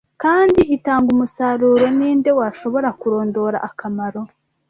kandi itanga umusaruro, ni nde washobora kurondora akamaro